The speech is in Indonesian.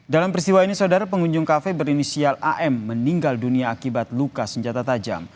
dalam peristiwa ini saudara pengunjung kafe berinisial am meninggal dunia akibat luka senjata tajam